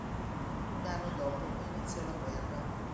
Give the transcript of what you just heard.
Un anno dopo iniziò la guerra.